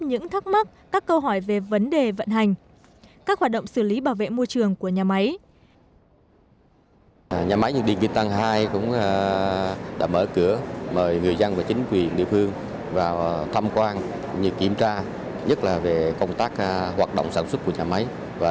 những thắc mắc các câu hỏi về vấn đề vận hành các hoạt động xử lý bảo vệ môi trường của nhà máy